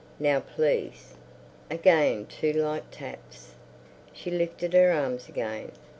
Now, please." Again the two light taps; she lifted her arms again.